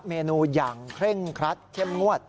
เมนูอย่างเคร่งครัดเข้มงวด